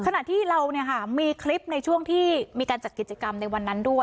ขณะที่เรามีคลิปในช่วงที่มีการจัดกิจกรรมในวันนั้นด้วย